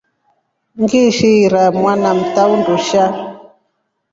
Ngiishi ira mwana mta undushaa.